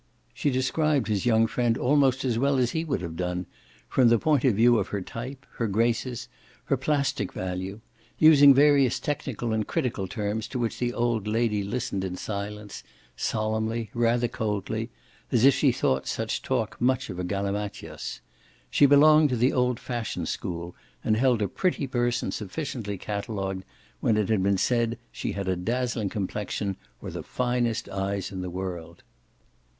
She described his young friend almost as well as he would have done, from the point of view of her type, her graces, her plastic value, using various technical and critical terms to which the old lady listened in silence, solemnly, rather coldly, as if she thought such talk much of a galimatias: she belonged to the old fashioned school and held a pretty person sufficiently catalogued when it had been said she had a dazzling complexion or the finest eyes in the world.